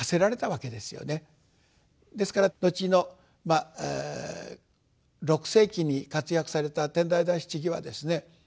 ですから後の６世紀に活躍された天台大師智はですね